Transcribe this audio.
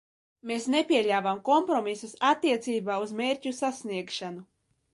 Mēs nepieļāvām kompromisus attiecībā uz mērķu sasniegšanu.